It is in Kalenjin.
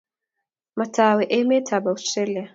Matawe emet ab Austrlia